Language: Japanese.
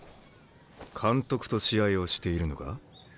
監督と試合をしているのか？